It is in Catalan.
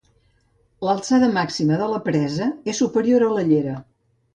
L'alçada màxima de la presa és superior a la llera.